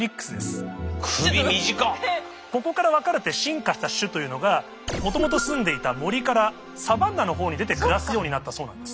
ここから分かれて進化した種というのがもともと住んでいた森からサバンナのほうに出て暮らすようになったそうなんです。